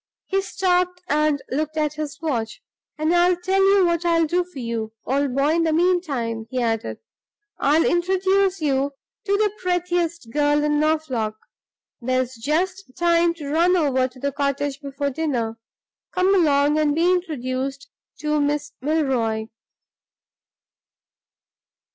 He stopped and looked at his watch. "And I'll tell you what I'll do for you, old boy, in the meantime," he added; "I'll introduce you to the prettiest girl in Norfolk! There's just time to run over to the cottage before dinner. Come along, and be introduced to Miss Milroy."